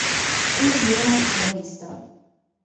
او بیرون از خانه ایستاد.